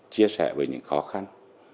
chia sẻ với những khó khăn